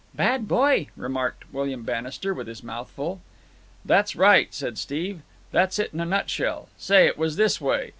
"Bad boy," remarked William Bannister with his mouth full. "That's right," said Steve. "That's it in a nutshell. Say, it was this way.